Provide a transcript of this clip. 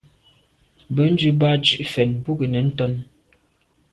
Bènzwi bat tshùa mfèn bo nke nèn ntàne.